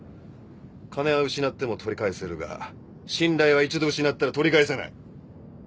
金は失っても取り返せるが信頼は一度失ったら取り返せない。